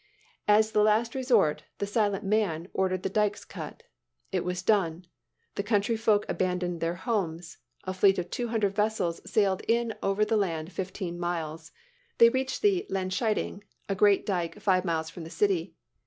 As the last resort, the "Silent Man" ordered the dykes cut. It was done. The country folk abandoned their homes. A fleet of two hundred vessels sailed in over the land fifteen miles. They reached the Landscheiding, a great dyke five miles from the city.